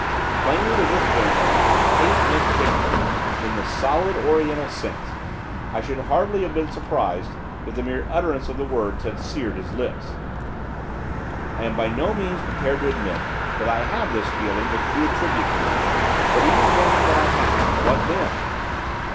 Plainly, with this gentleman, hate meant hate, in the solid oriental sense. I should hardly have been surprised if the mere utterance of the words had seared his lips. 'I am by no means prepared to admit that I have this feeling which you attribute to me, but, even granting that I have, what then?